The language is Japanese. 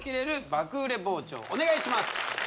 爆売れ包丁お願いします